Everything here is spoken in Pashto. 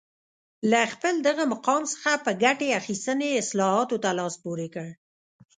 له خپل دغه مقام څخه په ګټې اخیستنې اصلاحاتو ته لاس پورې کړ